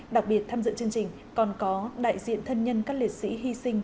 đặc biệt tham dự chương trình còn có đại diện thân nhân các liệt sĩ hy sinh